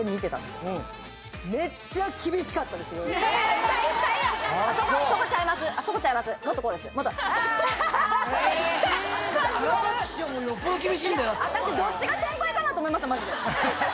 私どっちが先輩かなと思いましたマジで。